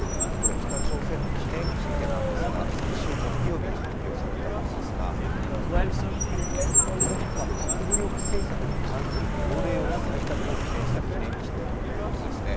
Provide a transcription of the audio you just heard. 北朝鮮の記念切手なんですが先週木曜日に発表されたものですが、国家核武力政策に関する法令を採択を記念した記念切手ということですね。